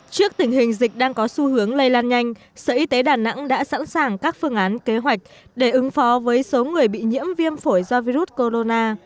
trước tình hình dịch đang có xu hướng lây lan nhanh sở y tế đà nẵng đã sẵn sàng các phương án kế hoạch để ứng phó với số người bị nhiễm viêm phổi do virus corona